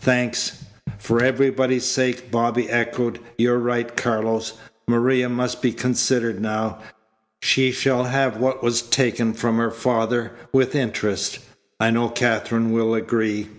"Thanks." "For everybody's sake!" Bobby echoed. "You're right, Carlos. Maria must be considered now. She shall have what was taken from her father, with interest. I know Katherine will agree."